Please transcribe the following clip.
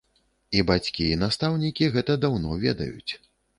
І бацькі, і настаўнікі гэта даўно ведаюць.